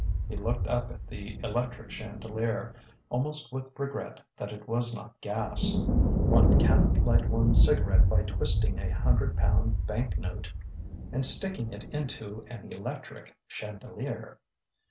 He looked up at the electric chandelier, almost with regret that it was not gas. One cannot light one's cigarette by twisting a hundred pound bank note and sticking it into an electric chandelier.